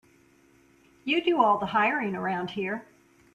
You do all the hiring around here.